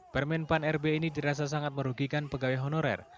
permen pan rb ini dirasa sangat merugikan pegawai honorer